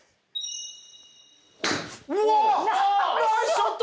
うわっナイスショット！